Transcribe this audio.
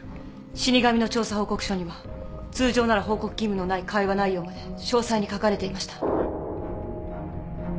死神の調査報告書には通常なら報告義務のない会話内容まで詳細に書かれていました。